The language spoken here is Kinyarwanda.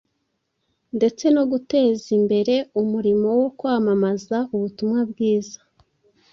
ndetse no guteza imbere umurimo wo kwamamaza ubutumwa bwiza.